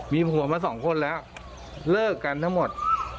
มีผัวมาสองคนแล้วเลิกกันทั้งหมด